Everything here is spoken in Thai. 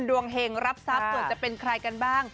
เห็งรับทรัพย์ส่วนจะเป็นใครกันบ้าง